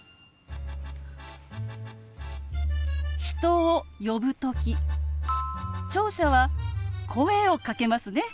人を呼ぶ時聴者は声をかけますね。